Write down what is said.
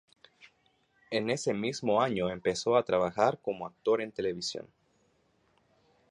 En ese mismo año empezó a trabajar como actor en televisión.